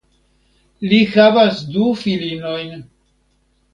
Li havas du filinojn.